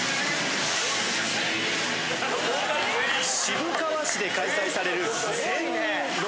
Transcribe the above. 渋川市で開催される。